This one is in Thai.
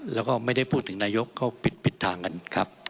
แล้วก็ไม่ได้พูดถึงนายกเขาปิดทางกันครับ